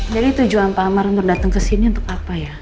jadi tujuan pak amar untuk datang ke sini untuk apa ya